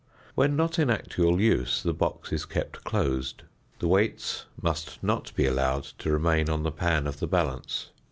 When not in actual use the box is kept closed. The weights must not be allowed to remain on the pan of the balance.